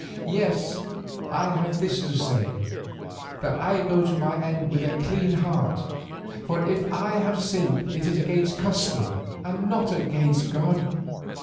"Yes, I have this to say, that I go to my end with a clean heart, for if I have sinned it is against custom and not against God.